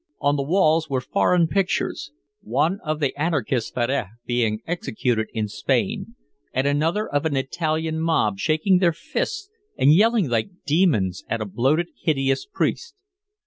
On the walls were foreign pictures, one of the anarchist Ferrer being executed in Spain, and another of an Italian mob shaking their fists and yelling like demons at a bloated hideous priest.